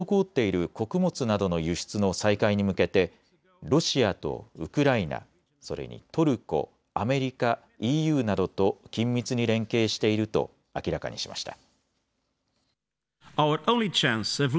そのうえで滞っている穀物などの輸出の再開に向けてロシアとウクライナ、それにトルコ、アメリカ、ＥＵなどと緊密に連携していると明らかにしました。